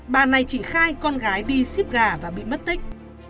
bà này chỉ khai con gái đi ship gà và bị mất tích